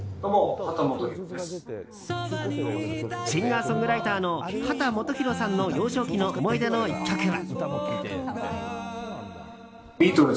シンガーソングライターの秦基博さんの幼少期の思い出の１曲は？